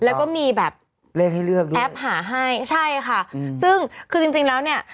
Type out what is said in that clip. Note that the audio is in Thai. แล้วก็มีแบบเลขให้เลือกด้วยแอปหาให้ใช่ค่ะอืมซึ่งคือจริงจริงแล้วเนี่ย